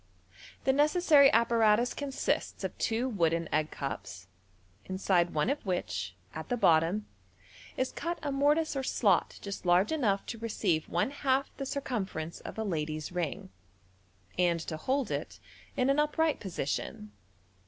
The necessary apparatus consists of two wooden egg cups, inside one of which, at the bottom, is cut a mortice or slot just large enough to receive one half the circumference of a lady's ring, and to hold it in an upright position.